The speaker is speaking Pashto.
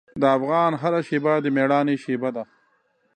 د افغان هره شېبه د میړانې شېبه ده.